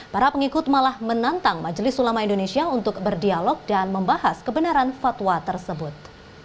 para pengikut malah menantang majelis ulama indonesia untuk berdialog dan membahas kebenaran fatwa tersebut